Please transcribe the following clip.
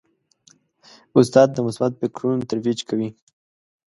استاد د مثبت فکرونو ترویج کوي.